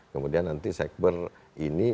kemudian nanti sekber ini